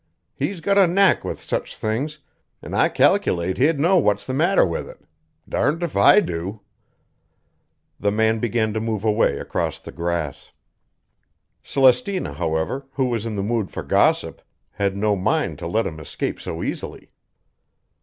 He's got a knack with such things an' I calculate he'd know what's the matter with it. Darned if I do." The man began to move away across the grass. Celestina, however, who was in the mood for gossip, had no mind to let him escape so easily.